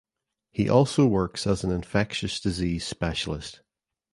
He also works as an infectious disease specialist.